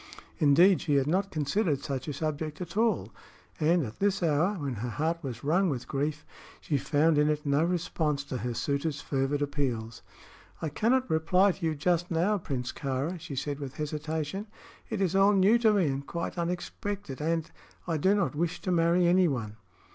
Indeed, she had not considered such a subject at all, and at this hour, when her heart was wrung with grief, she found in it no response to her suitor's fervid appeals. "I cannot reply to you just now, Prince Kāra," she said, with hesitation; "it is all new to me, and quite unexpected, and and I do not wish to marry anyone."